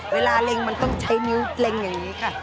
เล็งมันต้องใช้นิ้วเล็งอย่างนี้ค่ะ